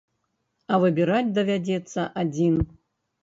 А выбіраць давядзецца адзін.